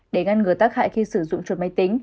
để ngăn ngừa tác hại khi sử dụng chuột máy tính